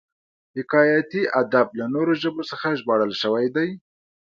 حکایتي ادب له نورو ژبو څخه ژباړل شوی دی